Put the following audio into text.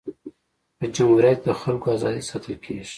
په جمهوریت کي د خلکو ازادي ساتل کيږي.